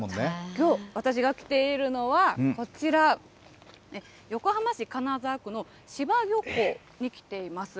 きょう、私が来ているのはこちら、横浜市金沢区の柴漁港に来ています。